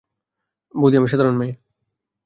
বানি, আমি সাধারন মেয়ে।